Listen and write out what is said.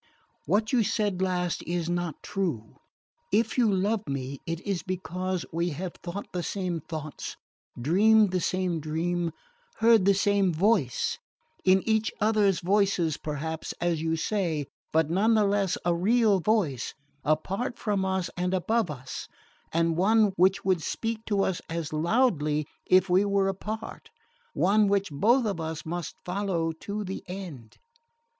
What you said last is not true. If you love me it is because we have thought the same thoughts, dreamed the same dream, heard the same voice in each other's voices, perhaps, as you say, but none the less a real voice, apart from us and above us, and one which would speak to us as loudly if we were apart one which both of us must follow to the end."